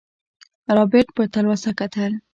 رابرټ په تلوسه کتل.